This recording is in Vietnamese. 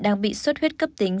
đang bị suất huyết cấp tính